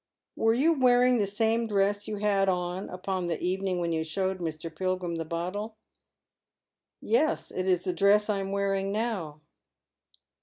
"Were you wearing the same dress you had on upon the evening when you showed Mr. Pilgrim the bottle?" " Yes. It is the dress I am wearing now."